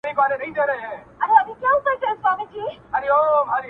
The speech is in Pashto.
• چي په زړو کي دښمنۍ وي چي له وروه انتقام وي -